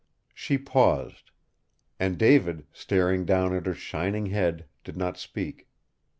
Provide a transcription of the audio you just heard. She paused. And David, staring down at her shining head, did not speak.